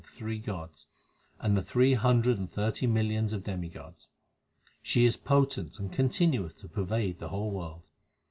334 THE SIKH RELIGION three gods l and the three hundred and thirty millions of demigods. She is potent and continueth to pervade the whole world.